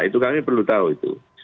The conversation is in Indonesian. itu kami perlu tahu itu